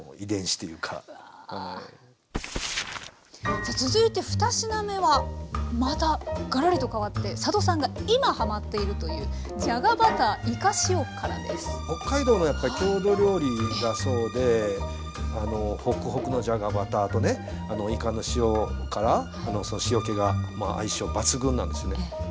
さあ続いて２品目はまたガラリと変わって佐渡さんが今ハマっているという北海道のやっぱり郷土料理だそうでほくほくのじゃがバターとねいかの塩辛の塩気が相性抜群なんですよね。